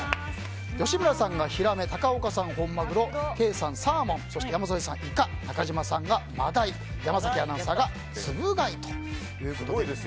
吉村さんがヒラメ高岡さん、本マグロケイさん、サーモン山添さん、イカ中島さんが真鯛山崎アナウンサーがツブ貝ということで。